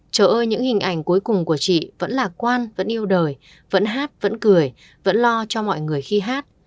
chờ ơ những hình ảnh cuối cùng của chị vẫn lạc quan vẫn yêu đời vẫn hát vẫn cười vẫn lo cho mọi người khi hát